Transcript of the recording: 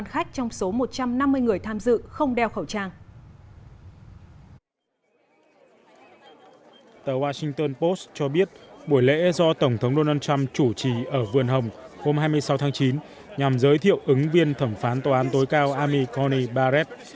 hôm hai mươi sáu tháng chín nhằm giới thiệu ứng viên thẩm phán tòa án tối cao amy coney barrett